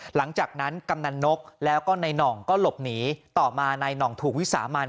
หลังจากนั้นกำนันนกแล้วก็นายหน่องก็หลบหนีต่อมานายหน่องถูกวิสามัน